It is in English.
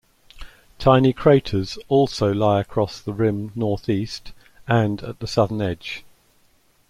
Tiny craters also lie across the rim northeast and at the southern edge.